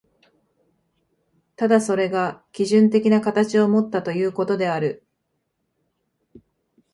ただそれが基準的な形をもったということである。